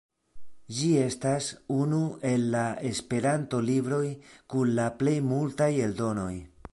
Ĝi estas unu el la Esperanto-libroj kun la plej multaj eldonoj.